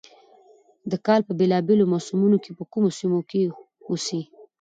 د کال په بېلا بېلو موسمونو کې په کومو سيمو کښې اوسي،